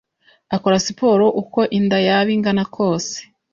akora siporo uko inda yaba ingana kose